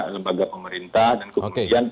lembaga pemerintah dan kemudian